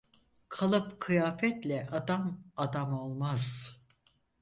Kalıp kıyafetle adam adam olmaz.